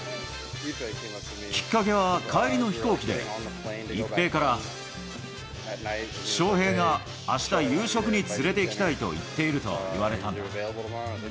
きっかけは帰りの飛行機で、一平から翔平があした夕食に連れていきたいと言っていると言われたんだ。